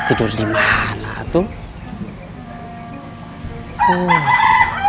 tidur di mana tuh